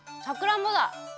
さくらんぼだ！